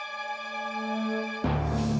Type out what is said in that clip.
aku akan mencari tuhan